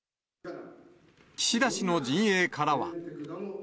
岸田氏の陣営からは。